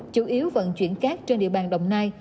chủ yếu vận chuyển cát trên địa bàn đồng nai